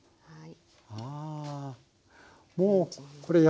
はい。